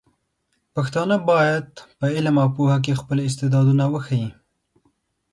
پښتانه بايد په علم او پوهه کې خپل استعدادونه وښيي.